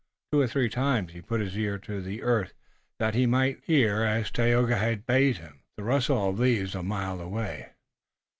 Two or three times he put his ear to the earth that he might hear, as Tayoga had bade him, the rustle of leaves a mile away.